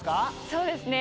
そうですね。